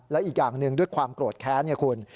และอีกอย่างหนึ่งด้วยความโกรธแค้นไงคุณ